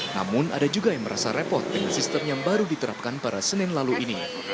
namun ada juga yang merasa repot dengan sistem yang baru diterapkan pada senin lalu ini